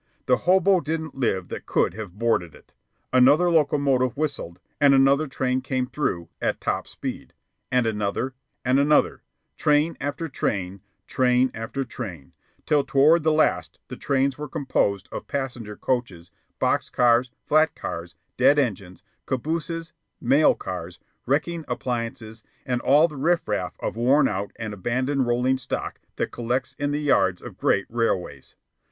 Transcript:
The hobo didn't live that could have boarded it. Another locomotive whistled, and another train came through at top speed, and another, and another, train after train, train after train, till toward the last the trains were composed of passenger coaches, box cars, flat cars, dead engines, cabooses, mail cars, wrecking appliances, and all the riff raff of worn out and abandoned rolling stock that collects in the yards of great railways.